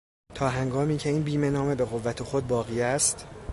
تاهنگامی که این بیمهنامه به قوت خود باقی است